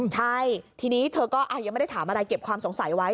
ใช่ทีนี้เธอก็ยังไม่ได้ถามอะไรเก็บความสงสัยไว้